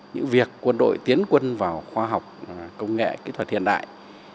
những việc quân đội tiến quân vào khoa học công nghệ kỹ thuật hiện đại